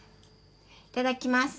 いただきます。